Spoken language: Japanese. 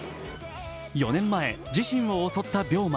４年前、自身を襲った病魔。